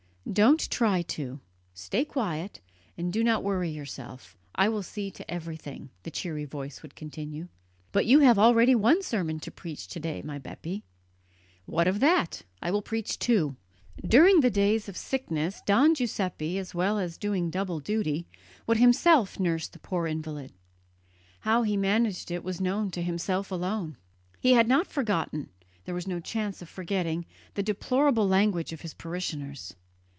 "Don't try to; stay quiet, and do not worry yourself I will see to everything," the cheery voice would continue. "But you have already one sermon to preach to day, my Bepi." "What of that? I will preach two." During the days of sickness Don Giuseppe, as well as doing double duty, would himself nurse the poor invalid. How he managed it was known to himself alone. He had not forgotten there was no chance of forgetting the deplorable language of his parishioners.